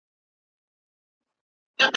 موږ پرون په لوی کتابتون کي وو.